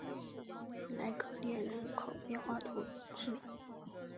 莱阿列人口变化图示